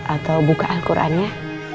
atau buka al quran ya